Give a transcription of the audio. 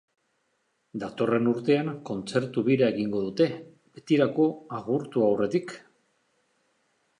Datorren urtean kontzertu-bira egingo dute, betirako agurtu aurretik.